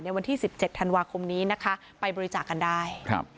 วันที่๑๗ธันวาคมนี้นะคะไปบริจาคกันได้ครับ